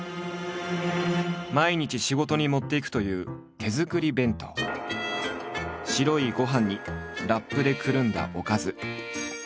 毎日仕事に持っていくという白いご飯にラップでくるんだおかず。